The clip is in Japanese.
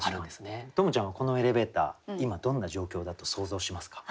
十夢ちゃんはこのエレベーター今どんな状況だと想像しますか？